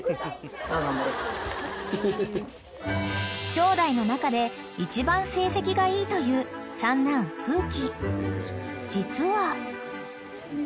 ［きょうだいの中で一番成績がいいという三男風希］